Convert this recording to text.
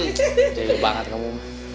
ciri banget kamu